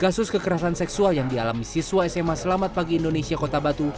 kasus kekerasan seksual yang dialami siswa sma selamat pagi indonesia kota batu